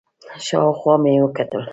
شاوخوا مې وکتل،